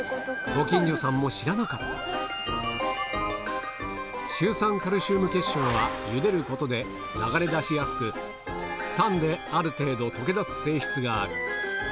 ご近所さんも知らなかったシュウ酸カルシウム結晶はゆでることで流れ出しやすく酸である程度溶け出す性質がある